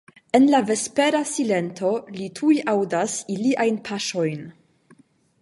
En la vespera silento li tuj aŭdas iliajn paŝojn.